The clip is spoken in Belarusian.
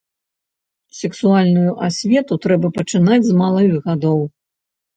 Сексуальную асвету трэба пачынаць з малых гадоў.